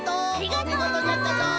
おみごとじゃったぞ！